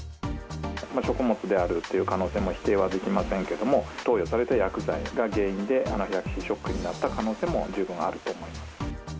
食物であるという可能性も否定はできませんけれども、投与された薬剤が原因でアナフィラキシーショックになった可能性も十分あると思います。